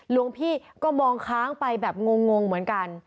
หลวงพี่ก็มองค้างไปแบบงงเหมือนกัน